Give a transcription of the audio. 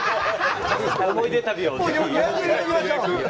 思い出旅をぜひ。